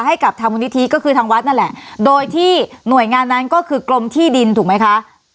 ให้กับทางมูลนิธิก็คือทางวัดนั่นแหละโดยที่หน่วยงานนั้นก็คือกรมที่ดินถูกไหมคะ